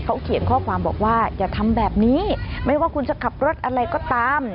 เขาเขียนข้อความบอกว่าอย่าทำแบบนี้ไม่ว่าคุณจะขับรถอะไรก็ตาม